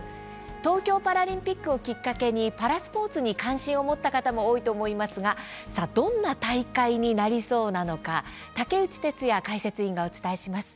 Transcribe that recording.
東京パラリンピックをきっかけにパラスポーツに関心を持った方も多いと思いますがどんな大会になりそうなのか竹内哲哉解説委員がお伝えします。